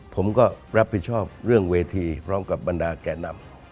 ผมก็รับผิดชอบเรื่องเวทีพร้อมกับบรรดาแก่นำ